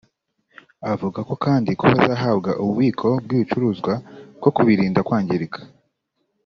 Avuga kandi ko bazahabwa ububiko bw’ibicuruzwa bwo kubirinda kwangirika